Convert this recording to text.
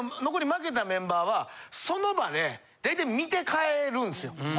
負けたメンバーはその場で大体見て帰るんですよ